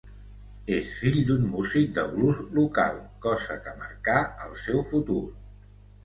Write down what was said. És fill d'un músic de blues local, cosa que marcà el seu futur.